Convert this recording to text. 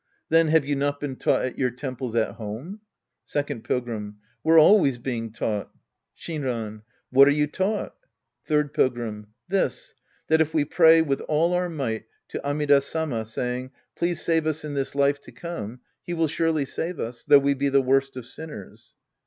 Then, have you not been taught at your temples at home ? Second Pilgrim. We're always being taught. Shinran. What are you taught ? Third Pilgrim. This, that if we pray with all our might to Amida Sama, saying " Please save us in this life to come," he will surely save us, though we be the worst of sinners.